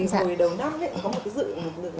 chuyên một chút xíu